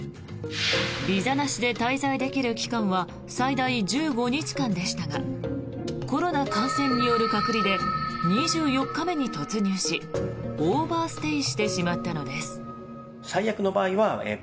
ビザなしで滞在できる期間は最大１５日間でしたがコロナ感染による隔離で２４日目に突入しオーバーステイしてしまったのです。